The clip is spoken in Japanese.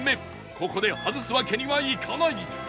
ここで外すわけにはいかない